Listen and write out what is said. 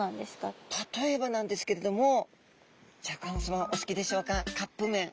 例えばなんですけれどもシャーク香音さまお好きでしょうかカップめん。